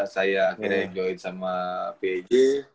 saya akhirnya join sama peg